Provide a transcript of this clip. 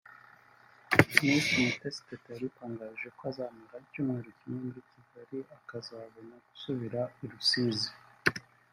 Miss Umutesi Teta yadutangarije ko azamara icyumweru kimwe muri Kigali akazabona gusubira i Rusizi